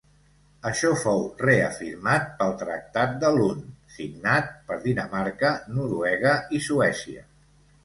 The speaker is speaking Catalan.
Això fou reafirmat pel Tractat de Lund, signat per Dinamarca-Noruega i Suècia.